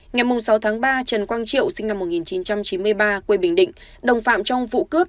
ngày sáu tháng ba trần quang triệu sinh năm một nghìn chín trăm chín mươi ba quê bình định đồng phạm trong vụ cướp